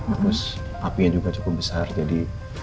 terus apinya juga cukup besar jadi